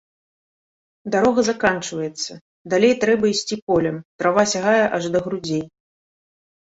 Дарога заканчваецца, далей трэба ісці полем, трава сягае аж да грудзей.